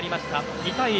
２対１。